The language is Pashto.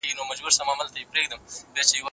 کمپيوټر ټېکس حسابوي.